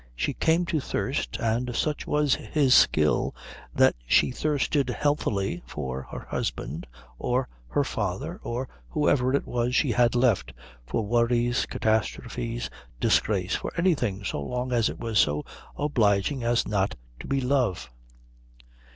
She came to thirst, and such was his skill that she thirsted healthily, for her husband or her father or whoever it was she had left, for worries, catastrophes, disgrace for anything so long as it was so obliging as not to be love.